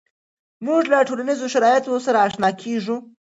مونږ له ټولنیزو شرایطو سره آشنا کیږو.